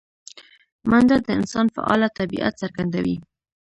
منډه د انسان فعاله طبیعت څرګندوي